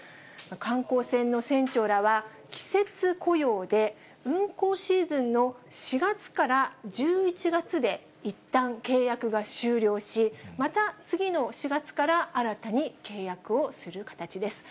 観光船の船長らは季節雇用で、運航シーズンの４月から１１月でいったん契約が終了し、また、次の４月から新たに契約をする形です。